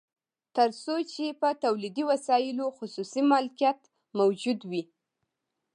تر څو چې په تولیدي وسایلو خصوصي مالکیت موجود وي